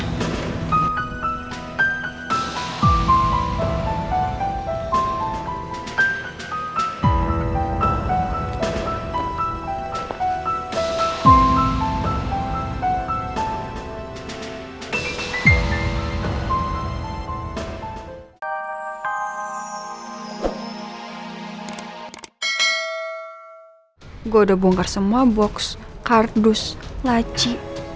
gue udah bongkar semua box kardus laci